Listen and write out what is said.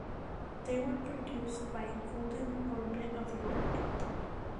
They were produced by Golden Orbit of York.